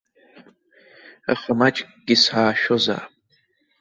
Аха маҷкгьы саашәозаап.